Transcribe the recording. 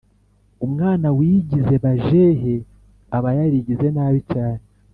Umwana wigize bajehe aba yarigize nabi cyane